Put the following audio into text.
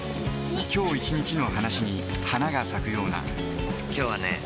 今日一日の話に花が咲くような今日はね